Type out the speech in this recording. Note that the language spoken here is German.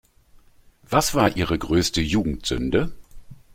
Was war Ihre größte Jugendsünde?